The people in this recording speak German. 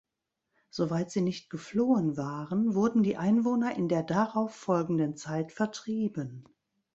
Soweit sie nicht geflohen waren, wurden die Einwohner in der darauf folgenden Zeit vertrieben.